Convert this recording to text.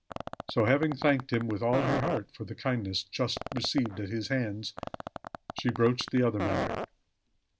So, having thanked him, with all her heart, for the kindness just received at his hands, she broached the other matter.